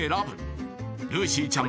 ルーシーちゃん